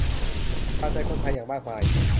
คาใจคนไทยอย่างมากมาย